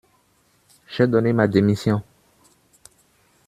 J’ai donné ma démission.